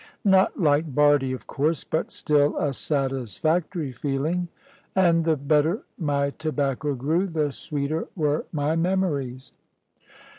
Not like Bardie, of course; but still a satisfactory feeling. And the better my tobacco grew, the sweeter were my memories.